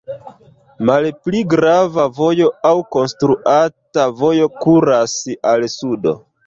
Malpli grava vojo aŭ konstruata vojo kuras al sudo.